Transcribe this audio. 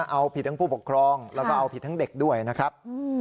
เอาผิดทั้งผู้ปกครองแล้วก็เอาผิดทั้งเด็กด้วยนะครับ